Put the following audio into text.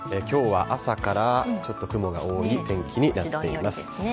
きょうは朝からちょっと雲が多い天気になっています。